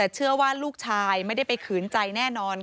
เชื่อว่าลูกชายไม่ได้ไปขืนใจแน่นอน